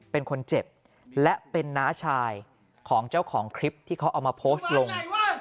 เป็นคนเจ็บและเป็นน้าชายของเจ้าของคลิปที่เขาเอามาโพสต์ลง